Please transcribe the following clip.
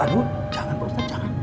aduh jangan pak ustadz jangan